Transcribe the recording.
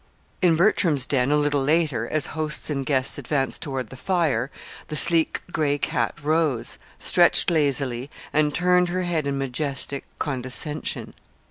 In Bertram's den a little later, as hosts and guests advanced toward the fire, the sleek gray cat rose, stretched lazily, and turned her head with majestic condescension.